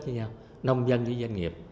với nhau nông dân với doanh nghiệp